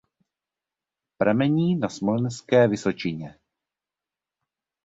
Pramení na Smolenské vysočině.